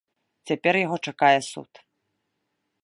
Цяпер яго чакае суд.